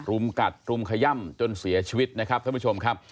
รุมกัดรุมขย่ำจนเสียชีวิตนะครับท่านผู้ชมครับ